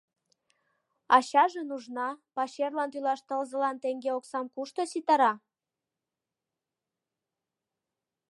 Ачаже нужна, пачерлан тӱлаш тылзылан теҥге оксам кушто ситара?